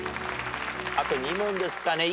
あと２問ですかね。